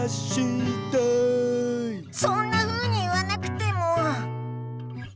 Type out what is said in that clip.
そんなふうに言わなくても。